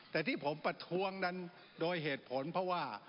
แต่ที่ผมประท้วงนั้นโดยเหตุผลเพราะว่า